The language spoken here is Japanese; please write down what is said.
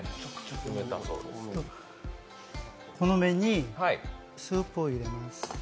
この麺にスープを入れます。